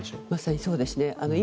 まさにそうですね。